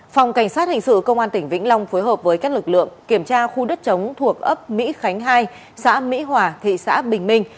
phòng cảnh sát hình sự công an tỉnh vĩnh long phối hợp với các lực lượng kiểm tra khu đất chống thuộc ấp mỹ khánh hai xã mỹ hòa thị xã bình minh